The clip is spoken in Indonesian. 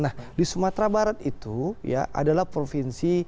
nah di sumatera barat itu ya adalah provinsi